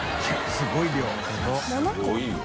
すごいよ。